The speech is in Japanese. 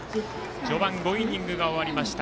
序盤、５イニングが終わりました。